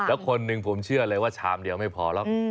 เหมือนกันอันนึงผมเชื่อเลยว่าชามเดียวไม่พอหรอก